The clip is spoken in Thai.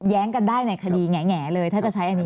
กันได้ในคดีแง่เลยถ้าจะใช้อันนี้